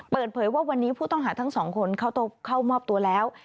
เปิดเผยว่าวันนี้ผู้ต้องหาทั้งสองคนเข้ามอบตัวแล้ว